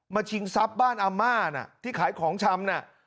ชิงทรัพย์บ้านอาม่าน่ะที่ขายของชำน่ะ